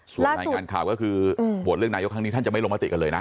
ส่วนในการข่าวก็คือโหวดเรื่องนายกทางนี้ท่านจะไม่มัตตรกันเลยนะ